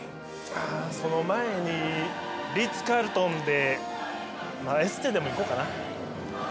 ああその前にリッツ・カールトンでエステでも行こうかな。